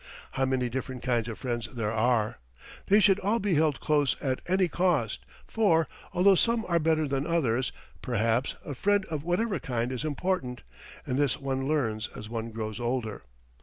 How many different kinds of friends there are! They should all be held close at any cost; for, although some are better than others, perhaps, a friend of whatever kind is important; and this one learns as one grows older.